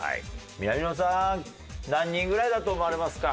南野さん何人ぐらいだと思われますか？